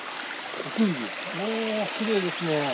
おぉきれいですね。